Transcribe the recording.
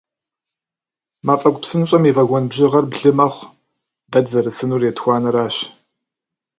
Мафӏэгу псынщӏэм и вагон бжьыгъэр блы мэхъу, дэ дызэрысынур етхуанэращ.